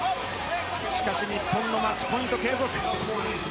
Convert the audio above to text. しかし日本のマッチポイントは継続。